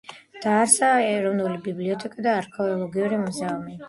დააარსა ეროვნული ბიბლიოთეკა და არქეოლოგიური მუზეუმი.